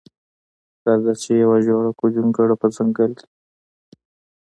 راخه چی یوه جوړه کړو جونګړه په ځنګل کی.